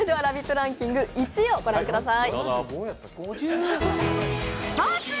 ランキング１位を御覧ください。